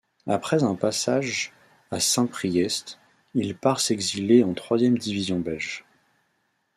Après un passage à Saint-Priest, il part s'exiler en troisième division belge.